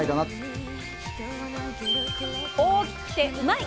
大きくてうまいッ！